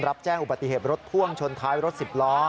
รับแจ้งอุบัติเหตุรถพ่วงชนท้ายรถสิบล้อ